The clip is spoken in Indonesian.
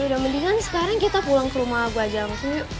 ya udah mendingan sekarang kita pulang ke rumah gua aja maksudnya yuk